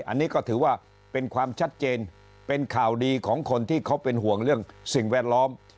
อันนี้ก็ถือว่าเป็นความชัดเจนเป็นข่าวดีของคนที่เขาเป็นห่วงเรื่องสิ่งแวดล้อม